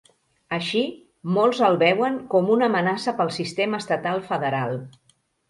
Així, molts el veuen com una amenaça pel sistema estatal federal.